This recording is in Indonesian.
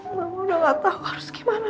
mama udah gak tau harus gimana